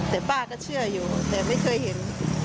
แต่ป้าก็เชื่ออยู่แต่ไม่เคยเห็น